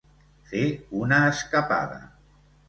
Fer una escapada.